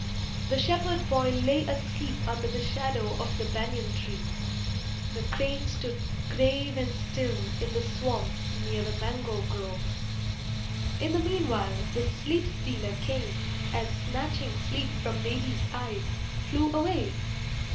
The shepherd boy lay asleep under the shadow of the banyan tree. The crane stood grave and still in the swamp near the mango grove. In the meanwhile the Sleep stealer came and, snatching sleep from baby's eyes, flew away.